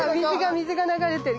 水が流れてる。